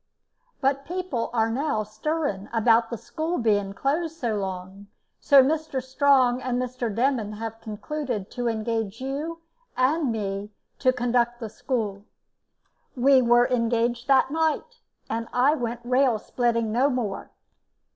But people are now stirring about the school being closed so long, so Mr. Strong and Mr. Demmond have concluded to engage you and me to conduct the school." We were engaged that night, and I went rail splitting no more.